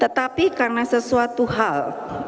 tetapi karena sesuatu hal